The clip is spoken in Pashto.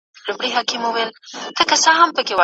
پوهانو د علم لپاره ځانګړي تعریفونه وړاندې کړل.